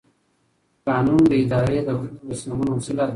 قانون د ادارې د کړنو د سمون وسیله ده.